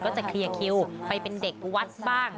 จะเคลียร์คิวไปเป็นเด็กวัดบ้าง